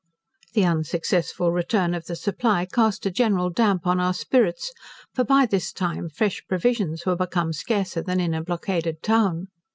The unsuccessful return of the 'Supply' cast a general damp on our spirits, for by this time fresh provisions were become scarcer than in a blockaded town.